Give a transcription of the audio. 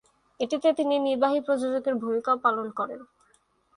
এটিতে তিনি নির্বাহী প্রযোজকের ভূমিকাও পালন করেন।